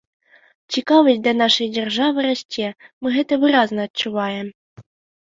Цікавасць да нашай дзяржавы расце, мы гэта выразна адчуваем.